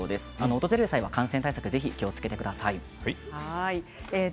訪れる際は感染対策に気をつけてください。